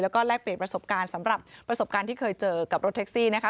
แล้วก็แลกเปลี่ยนประสบการณ์สำหรับประสบการณ์ที่เคยเจอกับรถแท็กซี่นะคะ